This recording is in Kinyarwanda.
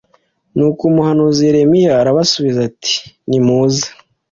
Nuko umuhanuzi Yeremiya arabasubiza ati nimuze